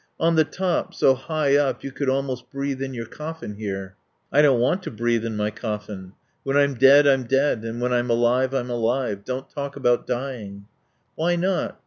"On the top, so high up you could almost breathe in your coffin here." "I don't want to breathe in my coffin. When I'm dead I'm dead, and when I'm alive I'm alive. Don't talk about dying." "Why not?